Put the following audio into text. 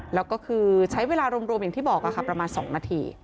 แล้วก็คือใช้เวลารวมอย่างที่บอกค่ะประมาณ๒นาที